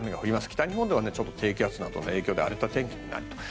北日本では低気圧などの影響で荒れた天気になると。